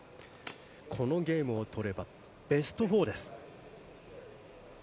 このゲームを取ればベスト４です。